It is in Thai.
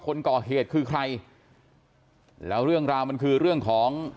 คนก่อเหตุคือใครแล้วเรื่องราวมันคือเรื่องของ